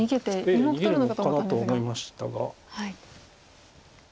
ええ逃げるのかなと思いましたが。